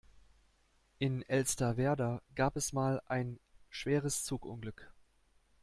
In Elsterwerda gab es mal ein schweres Zugunglück.